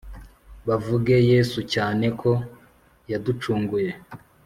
bavuge yesu cyane ko yaducunguye,